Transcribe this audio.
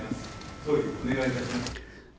総理、お願いします。